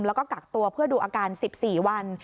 แล้วก็กักตัวเพื่อดูอาการ๑๔วัน